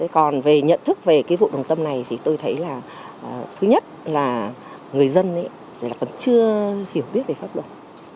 còn về nhận thức về cái vụ bồng tâm này thì tôi thấy là thứ nhất là người dân ấy là còn chưa hiểu biết về pháp luật